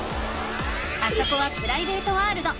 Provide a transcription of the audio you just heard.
あそこはプライベートワールド。